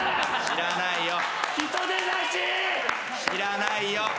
知らないよ。